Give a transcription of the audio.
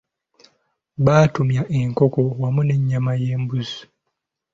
Baatumya enkoko wamu n'ennyama y'embuzi.